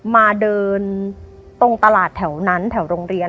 มาเดินตรงตลาดแถวนั้นแถวโรงเรียน